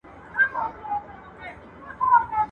شپې په اور کي سبا کیږي ورځي سوځي په تبۍ کي.